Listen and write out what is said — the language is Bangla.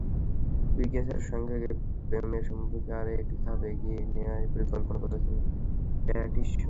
টুইগসের সঙ্গে প্রেমের সম্পর্ককে আরেক ধাপ এগিয়ে নেওয়ারই পরিকল্পনা করছেন প্যাটিনসন।